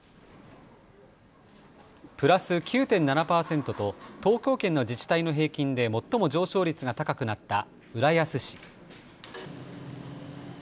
プラス９．７％と東京圏の自治体の平均で最も上昇率が高くなった浦安市。